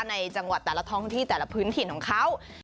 ในจังหวัดแต่ละท้องที่แต่ละพื้นถิ่นของเขา